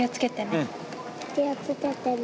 気を付けてね。